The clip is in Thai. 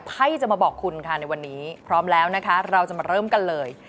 ใครจะมาบอกคุณค่ะในวันนี้พร้อมแล้วนะคะเราจะมาเริ่มกันเลย